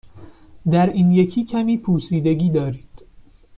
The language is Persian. در این یکی کمی پوسیدگی دارید.